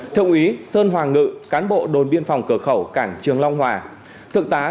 thượng úy sơn hoàng ngự cán bộ đồn biên phòng cửa khẩu cảng trường long hòa